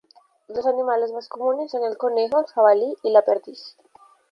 Los animales más comunes son el conejo, el jabalí y la perdiz.